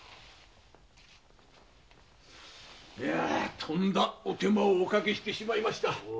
とんだお手間をおかけしてしまいました。